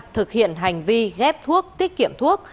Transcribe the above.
thực hiện hành vi ghép thuốc tiết kiệm thuốc